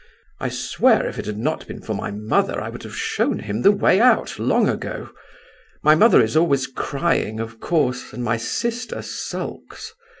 I swear if it had not been for my mother, I should have shown him the way out, long ago. My mother is always crying, of course, and my sister sulks.